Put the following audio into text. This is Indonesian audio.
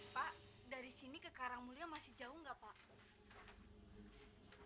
pak dari sini ke karanggulia masih jauh enggak pak